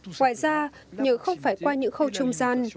ngoài ra nhờ không phải qua những khâu trung gian